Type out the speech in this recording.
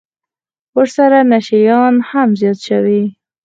ورسره نشه يان هم زيات سوي وو.